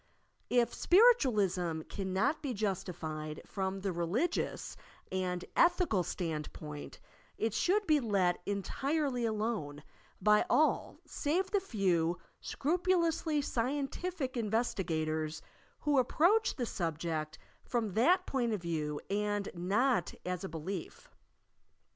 If Spiritualism cannot be jus tified from the religious and ethical standpoint, it should be let entirely alone by all save the few scrupulously scientific investigators who approach the subject from that point of view and not as a belief.